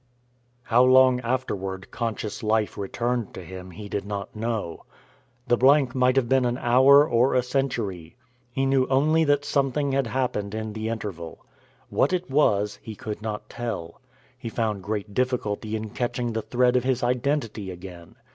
How long afterward conscious life returned to him he did not know. The blank might have been an hour or a century. He knew only that something had happened in the interval. What is was he could not tell. He found great difficulty in catching the thread of his identity again.